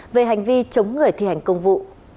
về hành vi chống người thi hành công vụ